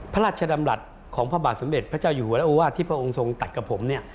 พระราชดำรัฐของพระบาทสมเด็จพระเจ้าอยู่วรโอวาสที่พระองค์ทรงตัดกับผมเนี่ย